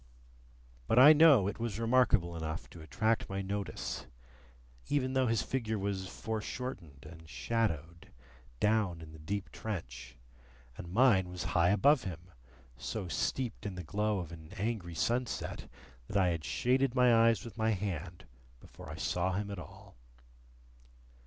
But I know it was remarkable enough to attract my notice, even though his figure was foreshortened and shadowed, down in the deep trench, and mine was high above him, so steeped in the glow of an angry sunset, that I had shaded my eyes with my hand before I saw him at all.